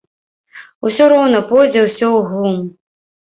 Усё роўна пойдзе ўсё ў глум.